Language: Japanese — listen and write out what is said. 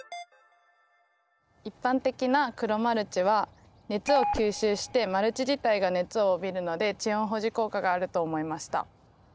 一般的な黒マルチは熱を吸収してマルチ自体が熱を帯びるので地温保持効果があると思いました。